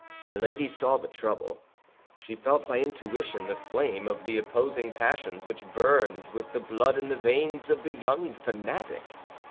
Milady saw the trouble. She felt by intuition the flame of the opposing passions which burned with the blood in the veins of the young fanatic.